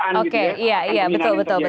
yang dilindungi akan penghinaan